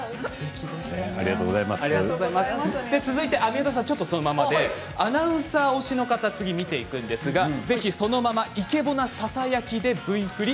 宮田さんはそのままでアナウンサー推しの方を次に見ていくんですがぜひそのままイケボなささやきでＶ振り